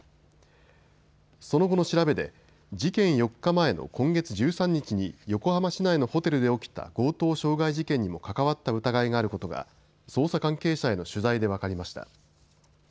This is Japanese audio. その後の調べで事件４日前の今月１３日に横浜市内のホテルで起きた強盗傷害事件にも関わった疑いがあることが捜査関係者への取材で分かりました。